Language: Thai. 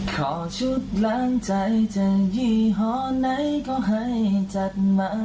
ขอชุดล้างใจจากยี่ห้อไหนก็ให้จัดมา